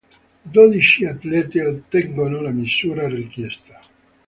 Dodici atlete ottengono la misura richiesta.